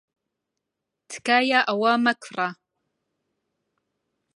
تکایە ئەوە مەکڕە.